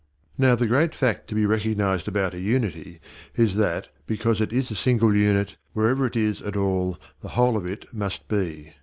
Now the great fact to be recognized about a unity is that, because it is a single unit, wherever it is at all the whole of it must be.